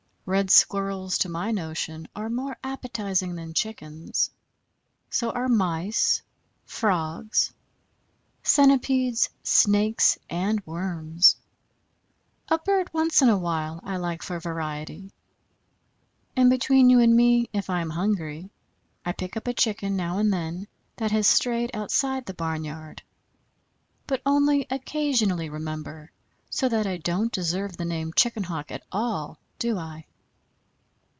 Red Squirrels, to my notion, are more appetizing than Chickens; so are Mice, Frogs, Centipedes, Snakes, and Worms. A bird once in a while I like for variety, and between you and me, if I am hungry, I pick up a chicken now and then, that has strayed outside the barnyard. But only occasionally, remember, so that I don't deserve the name of Chicken Hawk at all, do I?